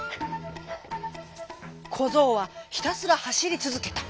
こぞうはひたすらはしりつづけた。